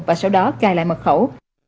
và sau đó cài lại mật khẩu